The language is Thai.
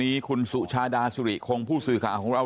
วันนี้คุณสุชาดาสุริคงผู้สื่อข่าวของเรา